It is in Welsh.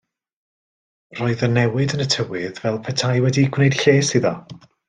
Roedd y newid yn y tywydd fel petai wedi gwneud lles iddo.